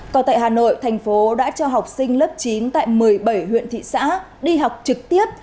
còn tại hà nội thành phố đã cho học sinh lớp chín tại một mươi bảy huyện thị xã đi học trực tiếp